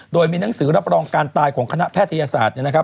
โดยมีหนังสือรับรองการตายของคณะแพทยศาสตร์